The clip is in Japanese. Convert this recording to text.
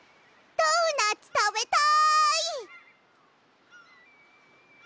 ドーナツたべたい！